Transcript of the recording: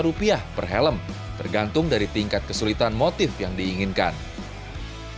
dengan keahliannya pria berusia tiga puluh tujuh tahun ini memasang tarif jasa custom painting di angka tiga lima juta